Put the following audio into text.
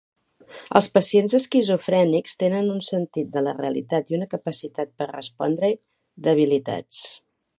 Els pacients esquizofrènics tenen un sentit de la realitat i una capacitat per respondre-hi debilitats.